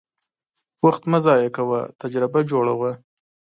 وخت مه ضایع کوه، تجربه جوړه وه.